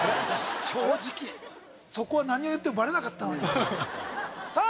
正直そこは何を言ってもバレなかったのにさあ